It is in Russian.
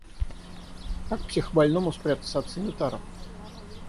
Как психбольному спрятаться от санитаров?